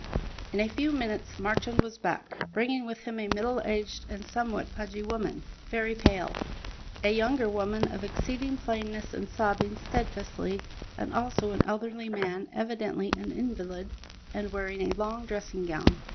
In a few minutes Marchand was back, bringing with him a middle aged and somewhat pudgy woman, very pale; a younger woman of exceeding plainness, and sobbing steadfastly; and also an elderly man, evidently an invalid, and wearing a long dressing gown.